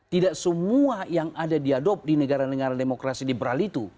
tidak semua yang ada diadopsi di negara negara demokrasi di bral itu